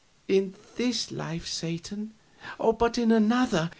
"In this life, Satan, but in another?